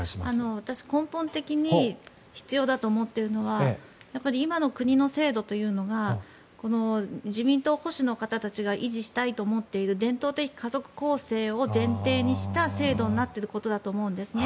私、根本的に必要だと思っているのは今の国の制度というのが自民党保守の方たちが維持したいと思っている伝統的家族構成を前提とした制度になっていることだと思うんですね。